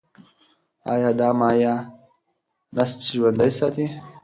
ایا دا مایع نسج ژوندی ساتي؟